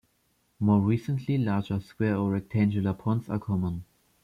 More recently larger square or rectangular ponds are common.